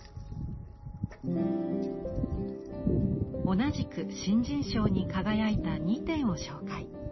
同じく新人賞に輝いた２点を紹介。